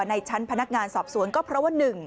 ในชั้นพนักงานสอบสวนก็เพราะว่า๑